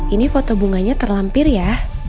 ini foto bunganya terlampir ya